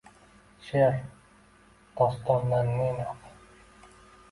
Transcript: She’r, dostondan ne naf